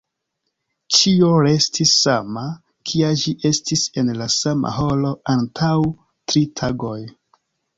Ĉio restis sama, kia ĝi estis en la sama horo antaŭ tri tagoj.